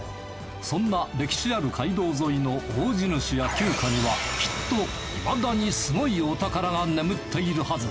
そんな歴史ある街道沿いの大地主や旧家にはきっといまだにすごいお宝が眠っているはず！